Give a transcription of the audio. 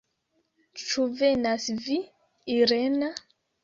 Ĉu venas vi, Irena?